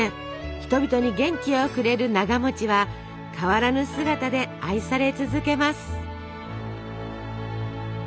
人々に元気をくれるながは変わらぬ姿で愛され続けます。